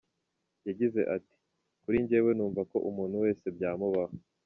Yagize ati : "Kuri njyewe numva ko umuntu wese byamubaho.